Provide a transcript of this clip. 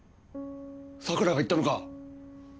桜が言ったのか？